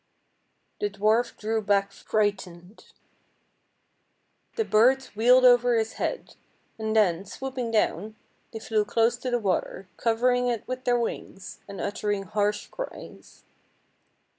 The dwarf drew back frightened. The birds wheeled over his head, and then, swooping down, they flew close to the water, covering it with their wings, and uttering harsh cries.